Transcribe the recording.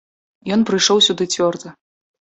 Ён прыйшоў сюды цвёрда.